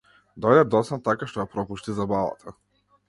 Дојде доцна така што ја пропушти забавата.